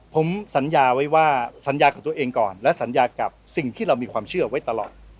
ผมสัญญาไว้ว่าสัญญากับตัวเองก่อนและสัญญากับสิ่งที่เรามีความเชื่อไว้ตลอด